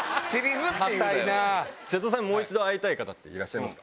瀬戸さん、もう一度会いたい方っていらっしゃいますか。